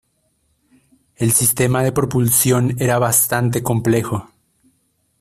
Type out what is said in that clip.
El sistema de propulsión era bastante complejo.